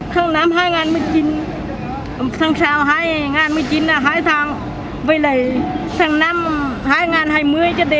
tháng năm hai nghìn một mươi chín tháng sau hai nghìn một mươi chín là hai tháng với lại tháng năm hai nghìn hai mươi